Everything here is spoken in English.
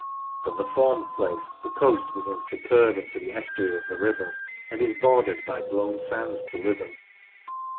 From the former place the coast begins to curve into the estuary of the Ribble, and is bordered by blown sands to Lytham.